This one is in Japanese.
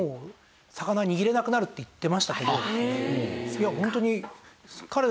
いやホントに。